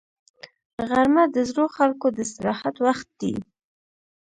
غرمه د زړو خلکو د استراحت وخت دی